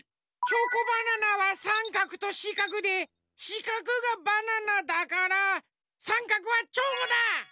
チョコバナナはさんかくとしかくでしかくがバナナだからさんかくはチョコだ！